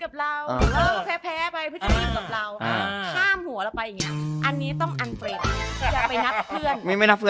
เขาน้อยใจไปนิดหน่อย